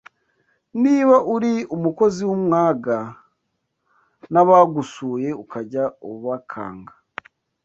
Niba uri umukozi w’umwaga n’abagusuye ukajya ubakanga